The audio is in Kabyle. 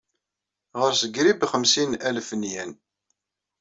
Ɣers grib xemsin alef n yen.